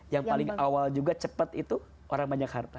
yang paling awal juga cepat itu orang banyak harta